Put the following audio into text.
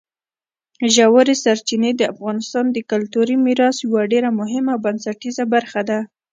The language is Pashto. ژورې سرچینې د افغانستان د کلتوري میراث یوه ډېره مهمه او بنسټیزه برخه ده.